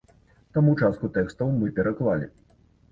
Таму частку тэкстаў мы пераклалі.